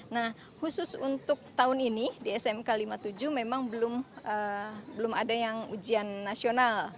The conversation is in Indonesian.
nah khusus untuk tahun ini di smk lima puluh tujuh memang belum ada yang ujian nasional